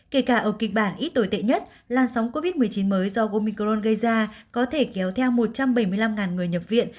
kể cả ở kịch bản ít tồi tệ nhất làn sóng covid một mươi chín mới do omicron gây ra có thể kéo theo một trăm bảy mươi năm người nhập viện